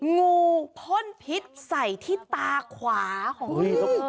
งูพ่นพิษใส่ที่ตาขวาของพ่อ